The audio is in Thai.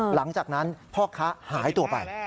หลังจากนั้นพ่อค้าหายตัวไป